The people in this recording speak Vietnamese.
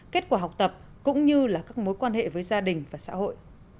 kết quả học tập cũng như là các mối quan hệ với gia đình và xã hội